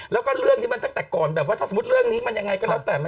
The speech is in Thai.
แล้วก็เรื่องนี้มันตั้งแต่ก่อนแบบว่าถ้าสมมุติเรื่องนี้มันยังไงก็แล้วแต่